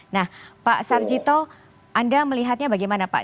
nah pak sarjito anda melihatnya bagaimana pak